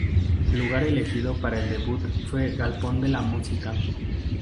El lugar elegido para el debut fue el Galpón de la Música.